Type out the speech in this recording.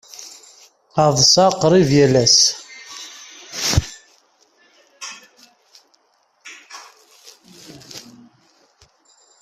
Ɛeḍḍseɣ qrib yal ass.